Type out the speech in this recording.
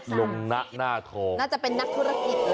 ลงนะหน้าทองน่าจะเป็นนักธุรกิจ